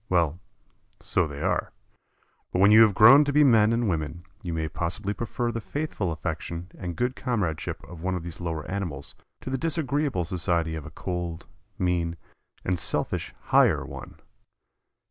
Well, so they are, but when you have grown to be men and women you may possibly prefer the faithful affection and good comradeship of one of these lower animals to the disagreeable society of a cold, mean, and selfish "higher" one.